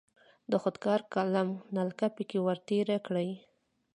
د خودکار قلم نلکه پکې ور تیره کړئ.